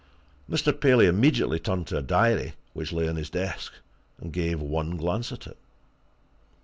Mr. Paley immediately turned to a diary which lay on his desk, and gave one glance at it.